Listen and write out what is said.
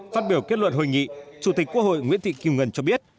phát biểu kết luận hội nghị chủ tịch quốc hội nguyễn thị kim ngân cho biết